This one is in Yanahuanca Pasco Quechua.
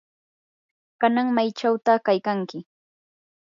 ¿kanan maychawta kaykanki?